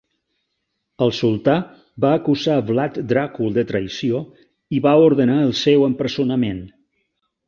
El sultà va acusar Vlad Dracul de traïció i va ordenar el seu empresonament.